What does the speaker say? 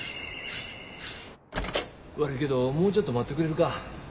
悪いけどもうちょっと待ってくれるか？